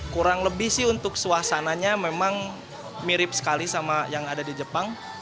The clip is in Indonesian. kurang lebih sih untuk suasananya memang mirip sekali sama yang ada di jepang